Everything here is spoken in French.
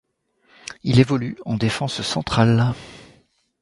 Il évolue en défense centrale.